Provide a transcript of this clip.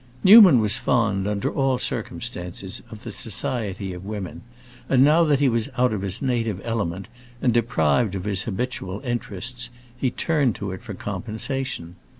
Newman was fond, under all circumstances, of the society of women, and now that he was out of his native element and deprived of his habitual interests, he turned to it for compensation.